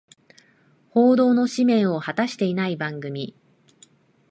報道の使命を果たしてない番組